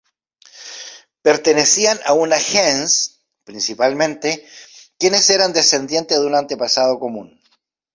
Pertenecían a una gens, principalmente, quienes eran descendientes de un antepasado común.